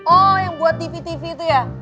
oh yang buat tv tv itu ya